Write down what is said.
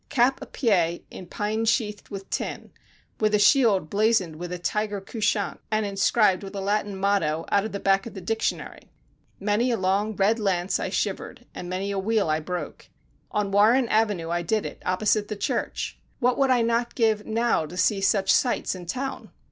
Cap √Ý pie in pine sheathed with tin, with a shield blazoned with a tiger couchant, and inscribed with a Latin motto out of the back of the dictionary, many a long red lance I shivered, and many a wheel I broke. On Warren Avenue I did it, opposite the church. What would I not give, now, to see such sights in town!